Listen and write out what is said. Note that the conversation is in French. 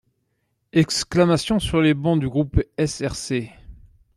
Exclamations sur les bancs du groupe SRC.